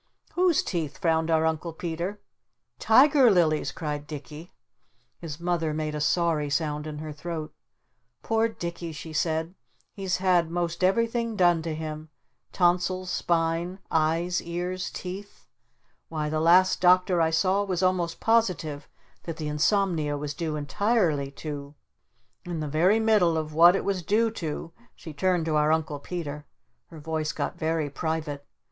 "Whose teeth?" frowned our Uncle Peter. "Tiger Lily's!" cried Dicky. His Mother made a sorry sound in her throat. "Poor Dicky," she said. "He's had most everything done to him! Tonsils, spine, eyes, ears, teeth! Why the last Doctor I saw was almost positive that the Insomnia was due entirely to " In the very middle of what it was due to she turned to our Uncle Peter. Her voice got very private.